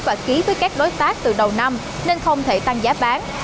và ký với các đối tác từ đầu năm nên không thể tăng giá bán